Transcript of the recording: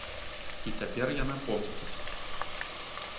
І цяпер яна помсціць.